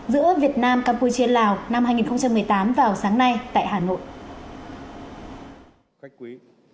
giữa việt nam campuchia lào năm hai nghìn một mươi tám vào sáng nay tại hà nội